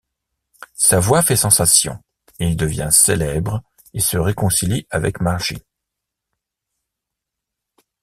Sa voix fait sensation, il devient célèbre et se réconcilie avec Margie.